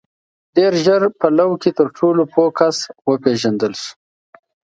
• ډېر ژر په لو کې تر ټولو پوه کس وپېژندل شو.